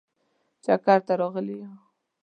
چکر ته راغلي یو.